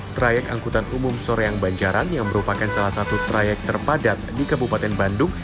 trayek angkutan umum soreang banjaran yang merupakan salah satu trayek terpadat di kabupaten bandung